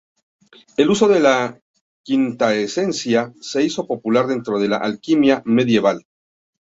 El uso de la quintaesencia se hizo popular dentro de la alquimia medieval.